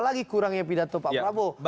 jadi kurangnya pidato pak prabowo